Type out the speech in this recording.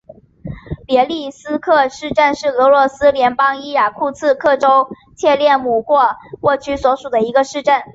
别利斯克市镇是俄罗斯联邦伊尔库茨克州切列姆霍沃区所属的一个市镇。